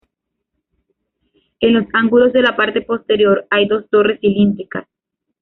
En los ángulos de la parte posterior hay dos torres cilíndricas.